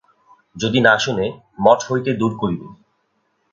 যদি না শুনে, মঠ হইতে দূর করিবে।